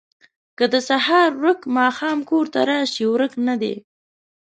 که د سهار ورک ماښام کور ته راشي، ورک نه دی.